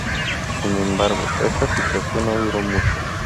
Sin embargo, esa situación no duró mucho.